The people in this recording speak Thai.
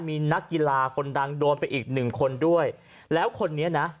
มีนักกีฬาคนดังโดนไปอีกหนึ่งคนด้วยแล้วคนนี้นะ